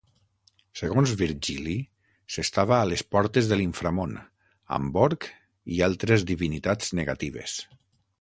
Segons Virgili, s'estava a les portes de l'inframón, amb Orc i altres divinitats negatives.